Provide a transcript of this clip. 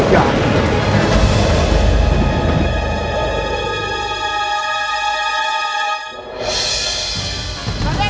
raden kemana raden